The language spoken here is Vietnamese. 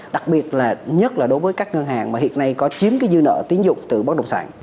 đặc biệt là nhất là đối với các ngân hàng mà hiện nay có chiếm cái dư nợ tiến dụng từ bất động sản